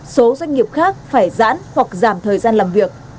số doanh nghiệp khác phải giãn hoặc giảm thời gian làm việc